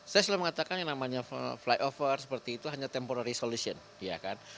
saya selalu mengatakan yang namanya flyover seperti itu hanya temporary solution ya kan